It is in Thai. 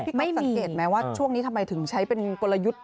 ใกล้สังเกตไหมว่าช่วงนี้ทำไมถึงใช้เป็นกลยุทธ์